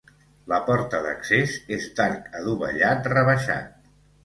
La porta d'accés és d'arc adovellat rebaixat.